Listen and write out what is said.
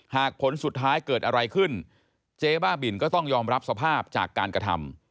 หากผลสุดท้ายเกิดอะไรขึ้นเจ๊บ้าบินก็ต้องยอมรับสภาพจากการกระทำ